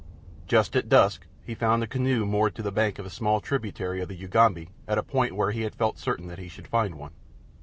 Just at dusk he found a canoe moored to the bank of a small tributary of the Ugambi at a point where he had felt certain that he should find one.